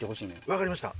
分かりました